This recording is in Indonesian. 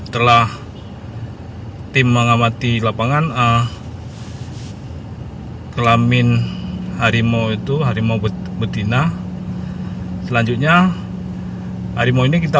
telah tim mengamati lapangan kelamin harimau itu harimau betina selanjutnya harimau ini kita